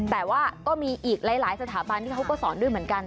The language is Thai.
แต่ว่าก็มีอีกหลายสถาบันที่เขาก็สอนด้วยเหมือนกัน